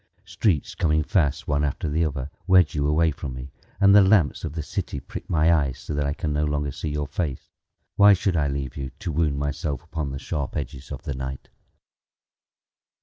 Streets coming fast, One after the other, Wedge you away from me, And the lamps of the city prick my eyes So that I can no longer see your face. Why should I leave you, To wound myself upon the sharp edges of the night?